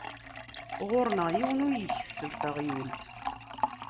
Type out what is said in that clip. Ɣur-neɣ yiwen ur ikesseb taɣyult.